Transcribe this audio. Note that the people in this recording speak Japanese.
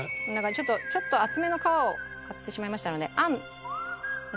ちょっと厚めの皮を買ってしまいましたので餡ちょい少なめ。